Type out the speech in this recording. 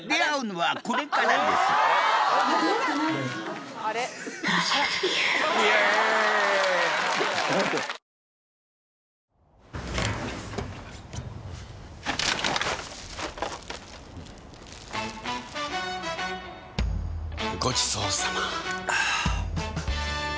はぁごちそうさま！